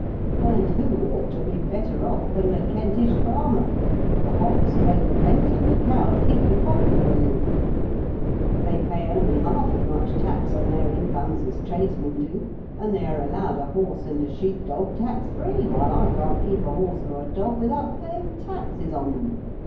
And who ought to be better ofi 138 IN KENT WITH OHAELES DICKENS. than the Kentish farmer ? The hops pay the rent, and the cows keep the pot boiling ; they pay only half as much tax on their incomes as tradesmen do, and they are allowed a horse and a she'p dog tax free, while I can't keep a horse or a dog without paying taxes on them.